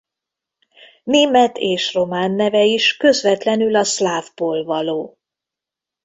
Német és román neve is közvetlenül a szlávból való.